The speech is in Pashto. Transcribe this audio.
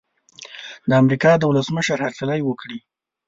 د امریکا د ولسمشر هرکلی وکړي.